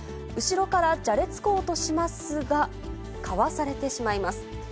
後ろからじゃれつこうとしますが、かわされてしまいます。